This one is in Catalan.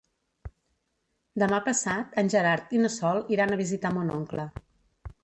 Demà passat en Gerard i na Sol iran a visitar mon oncle.